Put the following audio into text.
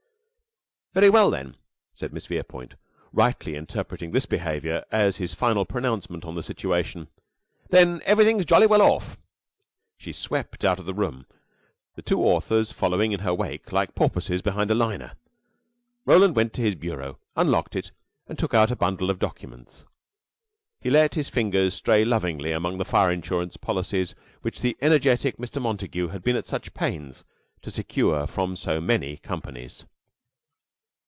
"Very well, then," said Miss Verepoint, rightly interpreting this behavior as his final pronouncement on the situation. "Then everything's jolly well off." She swept out of the room, the two authors following in her wake like porpoises behind a liner. Roland went to his bureau, unlocked it and took out a bundle of documents. He let his fingers stray lovingly among the fire insurance policies which energetic Mr. Montague had been at such pains to secure from so many companies.